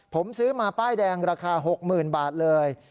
ผมซื้อมาป้ายแดงราคา๖๐๐๐บาทเลย